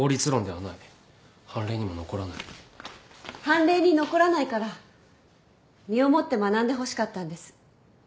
判例に残らないから身をもって学んでほしかったんです。